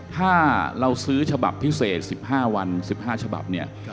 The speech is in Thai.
ถ้าเราซื้อฉบับพิเศษ๑๕วัน๑๕ฉบับเนี่ย